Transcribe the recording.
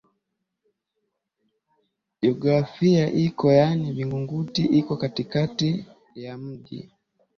jeografia iko yaani vingunguti iko katikati ya mji